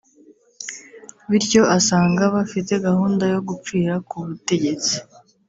bityo asanga bafite gahunda yo gupfira ku butegetsi